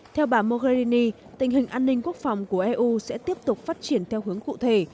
theo bà mogherini tình hình an ninh quốc phòng của eu sẽ tiếp tục phát triển theo hướng cụ thể